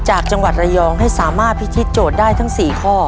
จากจังหวัดระยองให้สามารถพิธีโจทย์ได้ทั้ง๔ข้อ